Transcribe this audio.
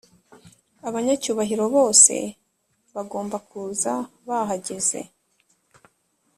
abanyacyubahiro bose bagombaga kuza bahageze